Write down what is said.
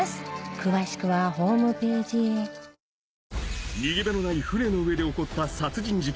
詳しくはホームページへ逃げ場のない船の上で起こった殺人事件